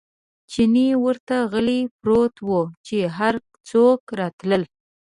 چیني ورته غلی پروت و، چې هر څوک راتلل.